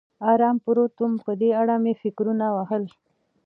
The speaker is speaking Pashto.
ارام پروت ووم، په دې اړه مې فکرونه وهل.